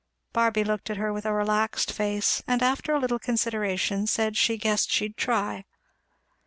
Barby looked at her with a relaxed face, and after a little consideration said "she guessed she'd try."